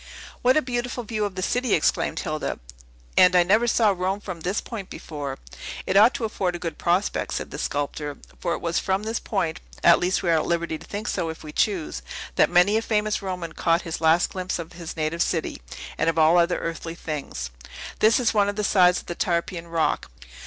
"What a beautiful view of the city!" exclaimed Hilda; "and I never saw Rome from this point before." "It ought to afford a good prospect," said the sculptor; "for it was from this point at least we are at liberty to think so, if we choose that many a famous Roman caught his last glimpse of his native city, and of all other earthly things. This is one of the sides of the Tarpeian Rock.